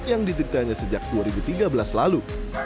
yang dideritanya sejak dua ribu tiga belas lalu